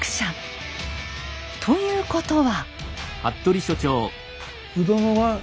ということは。